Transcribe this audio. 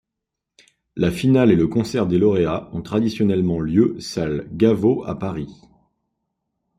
La finale et le concert des lauréats ont traditionnellement lieu salle Gaveau à Paris.